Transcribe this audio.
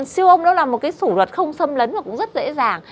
siêu ông đó là một cái sủ luật không xâm lấn mà cũng rất dễ dàng